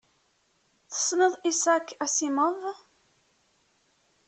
Tessneḍ Isaac Asimov?